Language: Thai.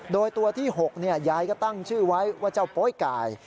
โดยตัวที่๖ยายก็ตั้งชื่อไว้ว่าเจ้าโป๊ยไก่